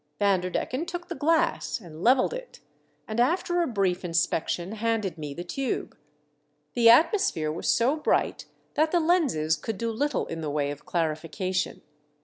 Vanderdecken took the glass and levelled it, and after a brief inspection handed me the tube. The atmosphere was so bright that the lenses could do little in the way of clarifi cation.